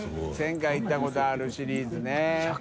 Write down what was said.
１０００回行ったことあるシリーズね隠娃